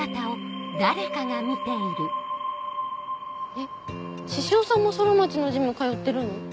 えっ獅子王さんも空町のジム通ってるの？